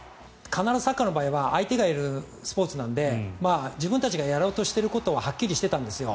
必ず、サッカーの場合は相手がいるスポーツなので自分たちがやろうとしていることははっきりしてたんですよ。